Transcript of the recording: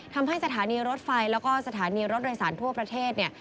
ทำให้สถานีรถไฟแล้วก็สถานีรถโดยสารทั่วประเทศเนี่ย